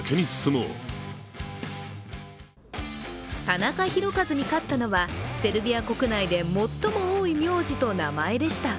タナカヒロカズに勝ったのはセルビア国内で最も多い名字と名前でした。